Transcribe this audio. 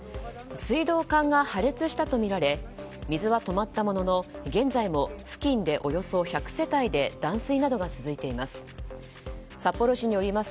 水道管が破裂したとみられ水は止まったものの現在も付近で、およそ１００世帯で断水などが続いています。